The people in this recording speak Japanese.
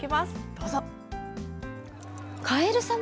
どうぞ！